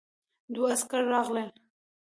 دوه عسکر راغلل.